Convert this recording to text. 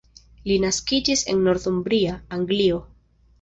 Li naskiĝis en Northumbria, Anglio.